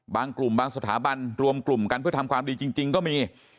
กลุ่มบางสถาบันรวมกลุ่มกันเพื่อทำความดีจริงก็มี